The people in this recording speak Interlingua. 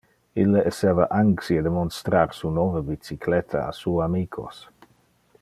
Ille esseva anxie de monstrar su nove bicycletta a su amicos.